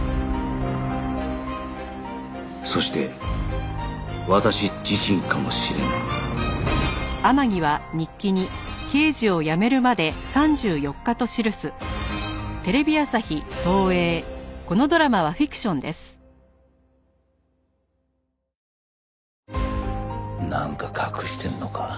そして私自身かもしれないなんか隠してるのか？